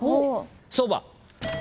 そば。